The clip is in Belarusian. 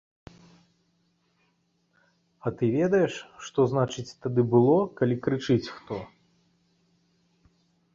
А ты ведаеш, што значыць тады было, калі крычыць хто!